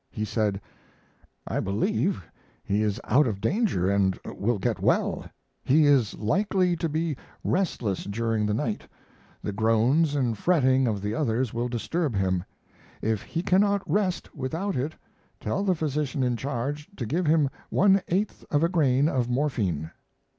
He said: "I believe he is out of danger and will get well. He is likely to be restless during the night; the groans and fretting of the others will disturb him. If he cannot rest without it, tell the physician in charge to give him one eighth of a grain of morphine."